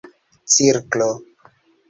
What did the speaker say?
cirklo